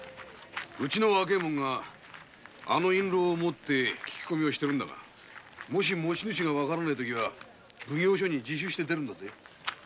うちの若ぇ者があの印篭を持って聞き込みをしてるんだが持ち主がわからねぇときは奉行所に自首して出るんだぜ。